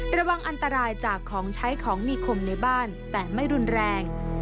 ระวังอันตรายจากของใช้ของมีคมในบ้านแต่ไม่รุนแรง